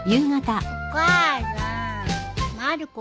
お母さんまる子